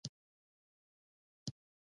د وسلو په څنګ کې، لوند، یخ وهلی.